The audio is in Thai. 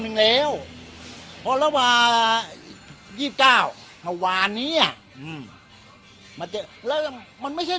หนึ่งแล้วพอระหว่ายี่สิบเก้าหัววานเนี้ยอืมมันจะแล้วมันไม่ใช่